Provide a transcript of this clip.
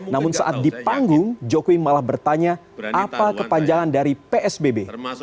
namun saat di panggung jokowi malah bertanya apa kepanjangan dari psbb